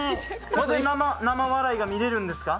それで生笑いが見れるんですか？